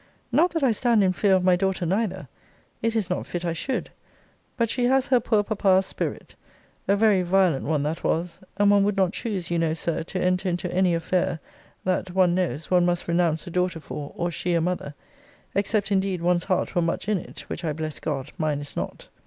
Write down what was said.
Not that I stand in fear of my daughter neither. It is not fit I should. But she has her poor papa's spirit. A very violent one that was. And one would not choose, you know, Sir, to enter into any affair, that, one knows, one must renounce a daughter for, or she a mother except indeed one's heart were much in it; which, I bless God, mine is not.